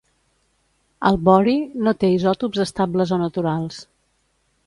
El bohri no té isòtops estables o naturals.